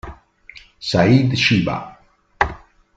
Saïd Chiba